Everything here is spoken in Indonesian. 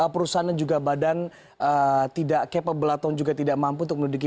perusahaan dan juga badan tidak capable atau juga tidak mampu untuk menuduki